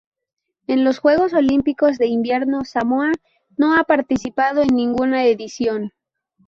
En los Juegos Olímpicos de Invierno Samoa no ha participado en ninguna edición.